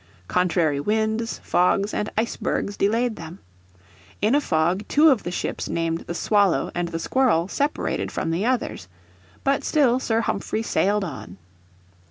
Contrary winds, fogs and icebergs delayed them. In a fog two of the ships named the Swallow and the Squirrel separated from the others. But still Sir Humphrey sailed on.